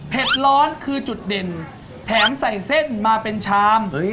ร้อนคือจุดเด่นแถมใส่เส้นมาเป็นชาม